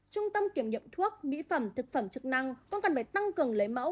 trung tâm kiểm nghiệm thuốc mỹ phẩm thực phẩm chức năng cũng cần phải tăng cường lấy mẫu